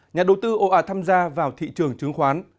nhà đầu tư oa tham gia vào thị trường chứng khoán